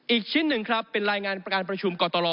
อีกชิ้นหนึ่งครับเป็นรายงานการประชุมกรตล